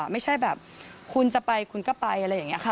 ไม่ใช่แบบคุณจะไปคุณก็ไปอะไรอย่างนี้ค่ะ